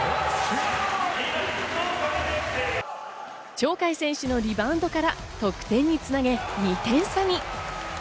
鳥海選手のリバウンドから得点につなげ、２点差に。